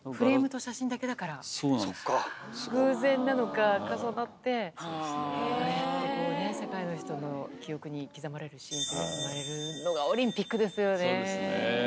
偶然なのか重なってああやって世界の人の記憶に刻まれるシーンが生まれるのがオリンピックですよね！